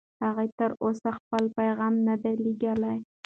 هغه تر اوسه خپل پیغام نه دی لېږلی.